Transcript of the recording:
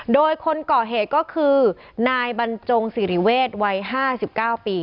โดยคนก่อเหตุก็คือนายบรรจงสิริเวศวัย๕๙ปี